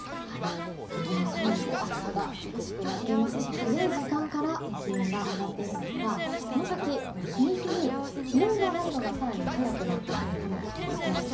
かなり暑さが厳しくなっていますし早い時間から気温が上がっているんですがこの先日に日に気温が上がるのが更に早くなってくるかもしれません。